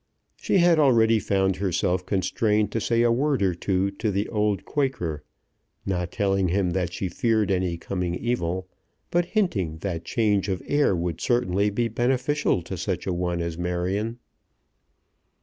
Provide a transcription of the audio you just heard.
She had already found herself constrained to say a word or two to the old Quaker, not telling him that she feared any coming evil, but hinting that change of air would certainly be beneficial to such a one as Marion.